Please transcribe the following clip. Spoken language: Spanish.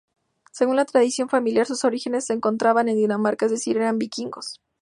Según la tradición familiar, sus orígenes se encontraban en Dinamarca, es decir, eran vikingos.